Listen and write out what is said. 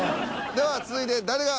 では続いて誰が？